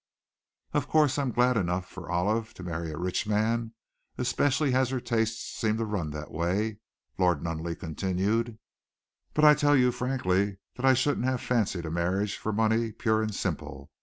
"Of course, I am glad enough for Olive to marry a rich man, especially as her tastes seem to run that way," Lord Nunneley continued; "but I tell you frankly that I shouldn't have fancied a marriage for money pure and simple.